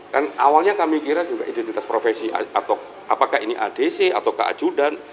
kan awalnya kami kira juga identitas profesi atau apakah ini adc atau keajudan